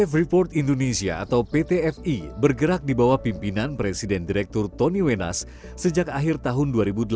freeport indonesia atau pt fi bergerak di bawah pimpinan presiden direktur tony wenas sejak akhir tahun dua ribu delapan belas